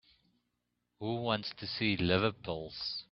Who wants to see liver pills?